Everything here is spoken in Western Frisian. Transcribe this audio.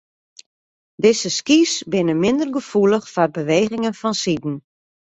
Dizze skys binne minder gefoelich foar bewegingen fansiden.